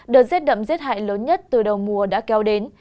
đợt rét đậm rét hại lớn nhất từ đầu mùa đã kéo đến